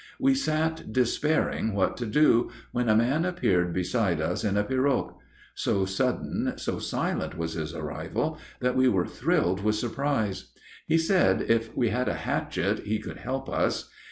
We sat despairing what to do, when a man appeared beside us in a pirogue. So sudden, so silent was his arrival that we were thrilled with surprise. He said if we had a hatchet he could help us.